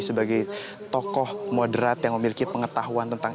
sebagai tokoh moderat yang memiliki pengetahuan tentang